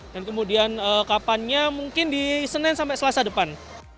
kemudian kapannya mungkin di senin sampai selasa depan